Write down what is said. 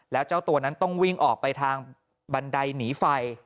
แล้วเจ้าตัวนั้นต้องวิ่งออกไปทางบันไดหนีไฟ